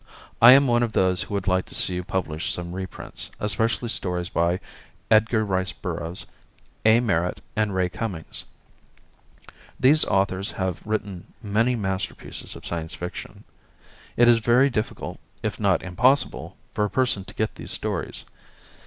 I am one of those who would like to see you publish some reprints, especially stories by Edgar Rice Burroughs, A. Merritt and Ray Cummings. These authors have written many masterpieces of Science Fiction. It is very difficult, if not impossible, for a person to get these stories.